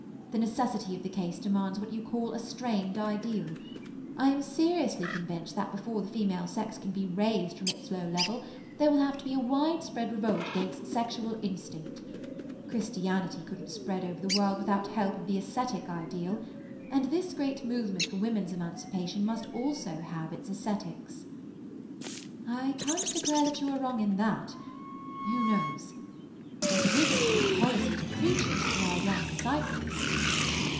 The necessity of the case demands what you call a strained ideal. I am seriously convinced that before the female sex can be raised from its low level there will have to be a widespread revolt against sexual instinct. Christianity couldn't spread over the world without help of the ascetic ideal, and this great movement for woman's emancipation must also have its ascetics." "I can't declare that you are wrong in that. Who knows? But it isn't good policy to preach it to our young disciples."